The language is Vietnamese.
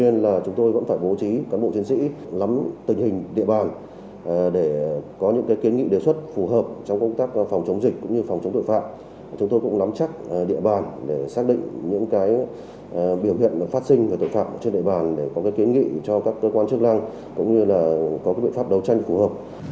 những biểu hiện phát sinh và tội phạm trên địa bàn để có kiến nghị cho các cơ quan chức lăng cũng như là có biện pháp đấu tranh phù hợp